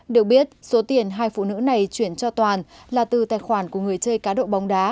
được biết số tiền hai phụ nữ này chuyển cho toàn là từ tài khoản của người chơi cá độ bóng đá